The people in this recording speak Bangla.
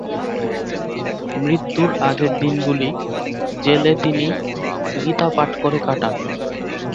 মৃত্যুর আগের দিনগুলি জেলে তিনি গীতা পাঠ করে কাটান।